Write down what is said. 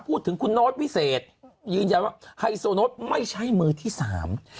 พูดถึงคุณโน๊ตวิเศษยืนยันว่าไฮโซโน้ตไม่ใช่มือที่สาม